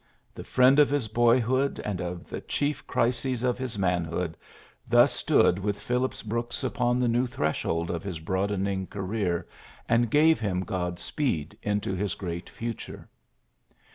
The friend of his boyhood and of the chief crises of his manhood thus stood with Phillips 46 PHILLIPS BROOKS Brooks upon the new threshold of his broadening career, and gave him God speed into his great future.